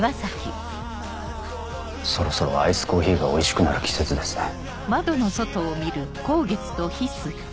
そろそろアイスコーヒーがおいしくなる季節ですね。